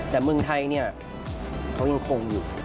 แต่เมืองไทยเนี่ยเขายังคงอยู่